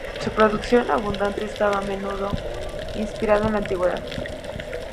Su producción, abundante, estaba a menudo inspirada en la antigüedad.